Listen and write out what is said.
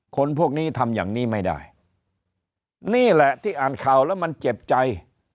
คนพวกนี้ทำอย่างนี้ไม่ได้นี่แหละที่อ่านข่าวแล้วมันเจ็บใจ